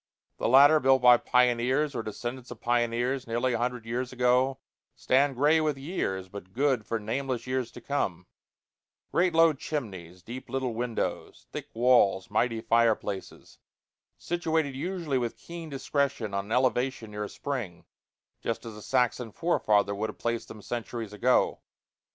The latter, built by pioneers or descendants of pioneers, nearly a hundred years ago, stand gray with years, but good for nameless years to come; great low chimneys, deep little windows, thick walls, mighty fireplaces; situated usually with keen discretion on an elevation near a spring, just as a Saxon forefather would have placed them centuries ago.